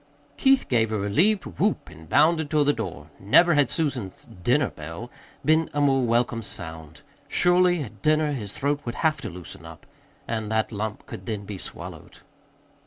Keith gave a relieved whoop and bounded toward the door. Never had Susan's "dinner bell" been a more welcome sound. Surely, at dinner, his throat would have to loosen up, and that lump could then be swallowed.